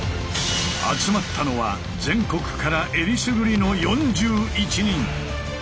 集まったのは全国からえりすぐりの４１人。